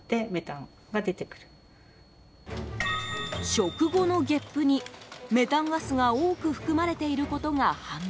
食後のげっぷにメタンガスが多く含まれていることが判明。